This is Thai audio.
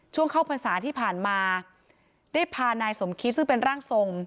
ช่วงเข้าพรรษาที่ผ่านมาได้พานายสมคิตซึ่งเป็นร่างทรง